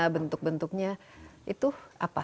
bentuk bentuknya itu apa